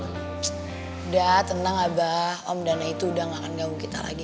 sudah tentang abah om dana itu udah gak akan ganggu kita lagi